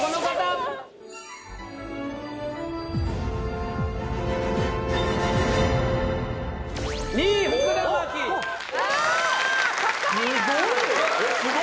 ・すごい！